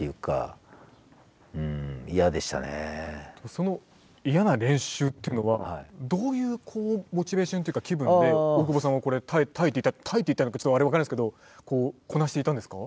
その嫌な練習っていうのはどういうモチベーションというか気分で大久保さんはこれ耐えていた耐えていたのかちょっと分からないですけどこなしていたんですか？